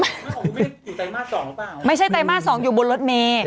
ลูปของคุณอยู่ไตมาส๒หรือเปล่าไม่ใช่ไตมาส๒อยู่บนรถเมล์